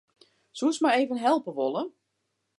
Soest my even helpe wolle?